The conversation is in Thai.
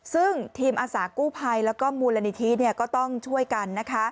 ซึ่งทีมอาสากู้ภัยแล้วก็มูลนิธิก็ต้องช่วยกันนะคะ